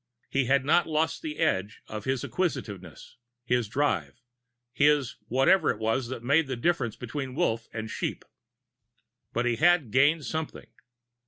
He had not lost the edge of his acquisitiveness, his drive his whatever it was that made the difference between Wolf and sheep. But he had gained something.